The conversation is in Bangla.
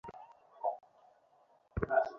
দাঁড়াও, তারা উদ্ধারকারী দল।